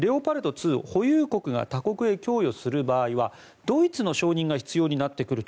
２保有国が他国へ供与する場合はドイツの承認が必要になってくると。